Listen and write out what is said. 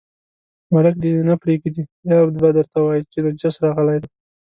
ملک دې نه پرېږدي، بیا به درته وایي چې نجس راغلی دی.